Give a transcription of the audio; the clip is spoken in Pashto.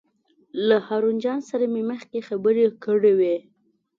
له هارون جان سره مې مخکې خبرې کړې وې.